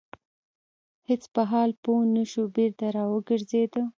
هیڅ په حال پوه نه شو بېرته را وګرځيده.